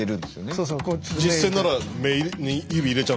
そうそう。